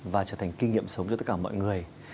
và trở thành kinh nghiệm sống cho tất cả mọi người